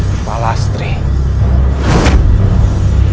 jangan lupa untuk berlangganan